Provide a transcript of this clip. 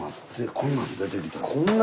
こんなん出てきたで。